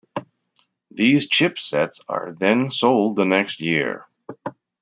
These chip sets are then sold the next year.